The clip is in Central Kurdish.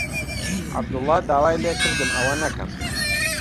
عەبدوڵڵا داوای لێ کردم ئەوە نەکەم.